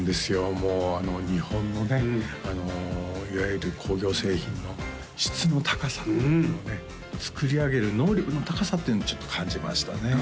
もう日本のねいわゆる工業製品の質の高さ作り上げる能力の高さっていうのちょっと感じましたね